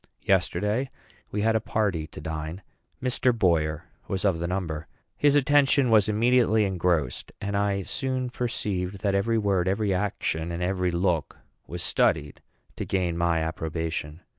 Yesterday we had a party to dine. Mr. Boyer was of the number. His attention was immediately engrossed; and I soon perceived that every word, every action, and every look was studied to gain my approbation.